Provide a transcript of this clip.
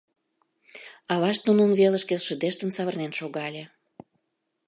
Авашт нунын велышке шыдештын савырнен шогале.